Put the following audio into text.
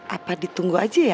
apa ditunggu aja ya